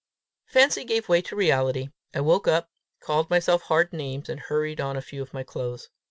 Fancy gave way to reality. I woke up, called myself hard names, and hurried on a few of my clothes.